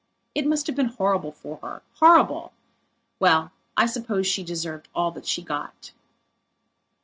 It must have been horrible for her. Horrible! Well, I suppose she deserved all that she got.